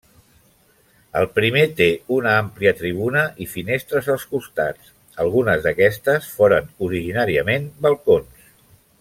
El primer té una àmplia tribuna i finestres als costats; algunes d'aquestes foren originàriament balcons.